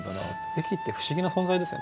駅って不思議な存在ですよね